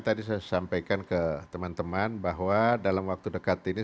tadi saya sampaikan ke teman teman bahwa dalam waktu dekat ini